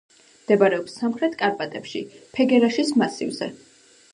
მდებარეობს სამხრეთ კარპატებში, ფეგერაშის მასივზე.